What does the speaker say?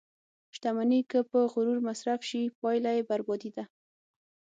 • شتمني که په غرور مصرف شي، پایله یې بربادي ده.